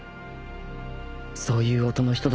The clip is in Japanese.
そういう音の人だった